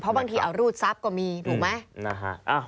เพราะบางทีเอารูดซับก็มีถูกไหมนะฮะ